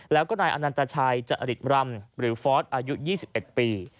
แล้วก็นายอนันตชัยจริตรำหรือฟอสอายุ๒๑ปี